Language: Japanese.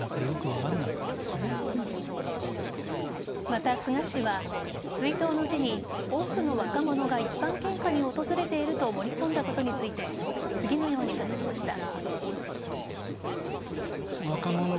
また、菅氏は追悼の辞に多くの若者が一般献花に訪れていると盛り込んだことについて次のように語りました。